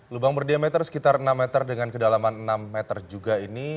lubang berdiameter sekitar enam meter dengan kedalaman enam meter juga ini